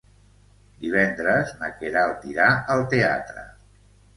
Divendres na Queralt irà al teatre.